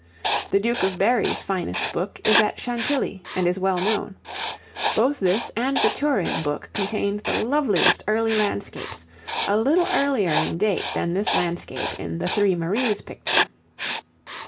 The Duke of Berry's finest book is at Chantilly and is well known. Both this and the Turin book contained the loveliest early landscapes, a little earlier in date than this landscape in the 'Three Maries' picture.